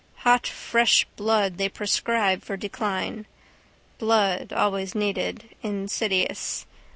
Hot fresh blood they prescribe for decline. Blood always needed. Insidious.